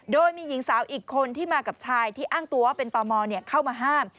โดยมีหญิงสาวอีกคนที่มากับชายที่อ้างตัวว่าเป็นตมเข้ามาห้าม